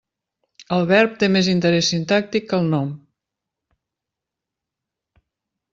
El verb té més interès sintàctic que el nom.